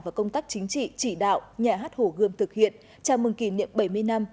và công tác chính trị chỉ đạo nhà hát hồ gươm thực hiện chào mừng kỷ niệm bảy mươi năm